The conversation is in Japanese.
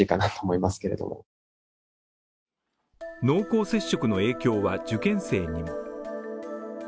濃厚接触の影響は受験生にも。